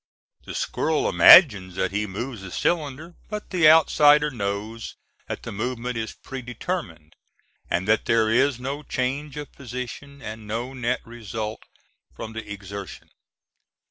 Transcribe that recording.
The squirrel imagines that he moves the cylinder, but the outsider knows that the movement is predetermined, and that there is no change of position and no net result from the exertion.